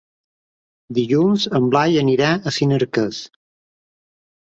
Dilluns en Blai anirà a Sinarques.